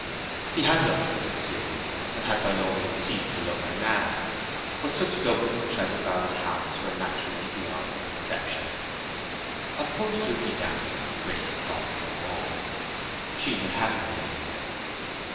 He had loved her sincerely, and had by no means ceased to love her now. But such double and treble barrelled hearts were naturally beyond her conception. Of poor Suke Damson, Grace thought no more. She had had her day.